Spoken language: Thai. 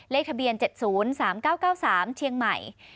เลขทะเบียน๗๐๓๙๙๓เชียงใหม่